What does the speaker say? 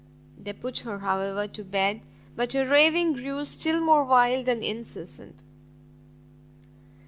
They put her, however, to bed, but her raving grew still more wild and incessant.